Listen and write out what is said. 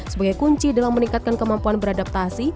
sebagai kunci dalam meningkatkan kemampuan beradaptasi